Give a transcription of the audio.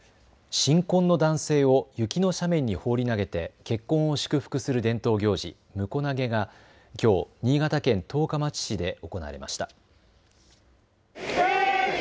新婚の男性を雪の斜面に放り投げて結婚を祝福する伝統行事、むこ投げがきょう新潟県十日町市で行われました。